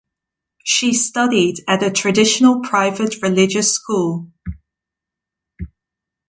She studied at a traditional private religious school.